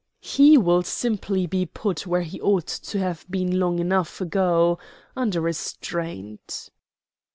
"He will simply be put where he ought to have been long enough ago under restraint."